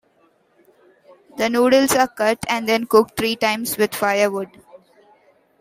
The noodles are cut and then cooked three times with firewood.